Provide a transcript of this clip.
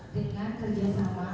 dengan kerja sama